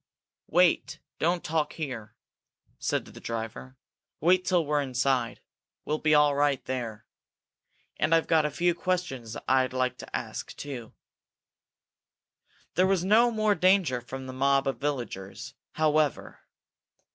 "Wait! Don't talk now!" said the driver. "Wait till we're inside. We'll be all right there, and I've got a few questions I'd like to ask, too." There was no more danger from the mob of villagers, however.